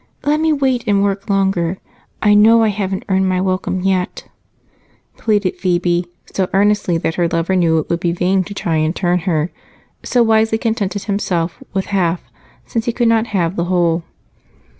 Let me wait and work longer I know I haven't earned my welcome yet," pleaded Phebe so earnestly that her lover knew it would be in vain to try and turn her, so wisely contented himself with half, since he could not have the whole.